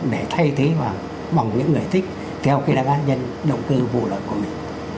để thay thế vào bằng những người thích theo cái đặc án nhân động cơ vụ lợi của mình